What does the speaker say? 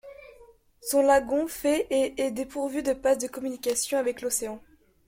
Son lagon fait et est dépourvu de passe de communication avec l'océan.